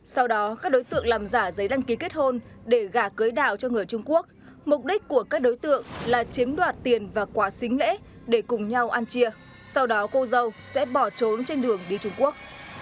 sau đó các đối tượng làm giả giấy đăng ký kết hôn để gả cưới đào cho người trung quốc mục đích của các đối tượng là chiếm đoạt tiền và quả xính lễ để cùng nhau ăn chia sau đó cô dâu sẽ bỏ trốn trên đường đi trung quốc